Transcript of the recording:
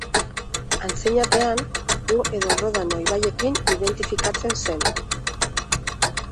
Antzinatean, Po edo Rodano ibaiekin identifikatzen zen.